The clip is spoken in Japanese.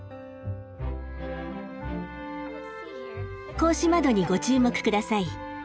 格子窓にご注目ください。